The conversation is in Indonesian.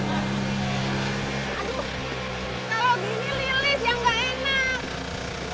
aduh kalau gini lilis yang gak enak